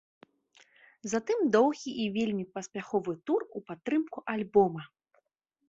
Затым доўгі і вельмі паспяховы тур у падтрымку альбома.